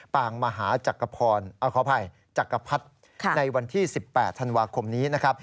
ปางมหาจักรพรขออภัยจักรพรรดิในวันที่๑๘ธันวาคมนี้นะครับ